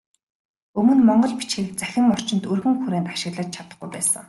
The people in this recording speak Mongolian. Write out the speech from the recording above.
Өмнө монгол бичгийг цахим орчинд өргөн хүрээнд ашиглаж чадахгүй байсан.